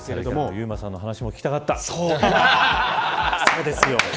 ゆうまさんの話も聞きたかった。